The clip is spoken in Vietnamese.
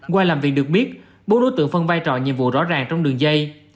qua làm việc được biết bốn đối tượng phân vai trò nhiệm vụ rõ ràng trong đường dây